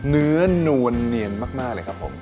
นวลเนียนมากเลยครับผม